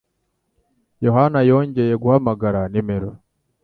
Yohani yongeye guhamagara nimero.